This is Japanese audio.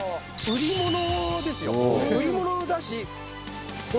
売り物ですよ売り物だし。